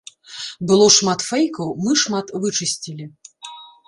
Было шмат фэйкаў, мы шмат вычысцілі.